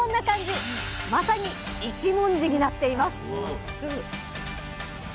まさに一文字になっています